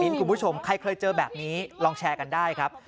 คุณผู้ชมใครเคยเจอแบบนี้ลองแชร์กันได้ครับ